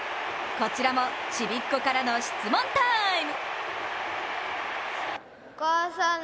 こちらもちびっこからの質問タイム。